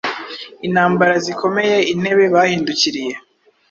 intambara zikomeye intebe bahindukiriye